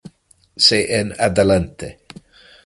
C en adelante.